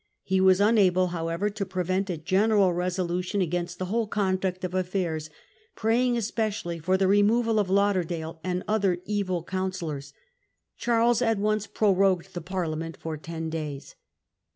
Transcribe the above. He was unable however to prevent a general resolution against the whole conduct of affairs, praying especially for the removal of Lauderdale and other * evil counsellors.' Charles at once prorogued the Parliament for ten days.